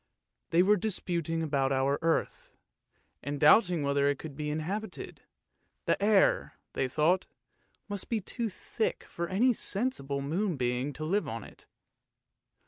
They were disputing about our earth, and doubting whether it could be inhabited; the air, they thought, must be too thick for any sensible moon being to live in it.